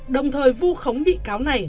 đồng thời vu khống bị cáo này